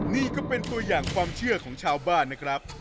นี่ก็เป็นตัวอย่างความเชื่อของชาวบ้านนะครับ